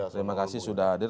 terima kasih sudah hadir